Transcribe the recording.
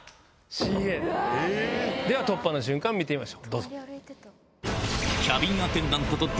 では突破の瞬間見てみましょうどうぞ。